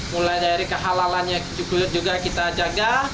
mulai dari kehalalannya kulit juga kita jaga